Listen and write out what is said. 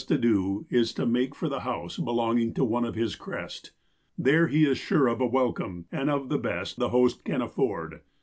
88 THE APOSTLE OF ALASKA do is to make for the house belonging to one of his crest. There he is sure of a welcome, and of the best the host can af ford.